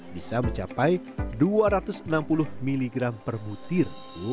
bisa mencapai dua ratus enam puluh mg per butir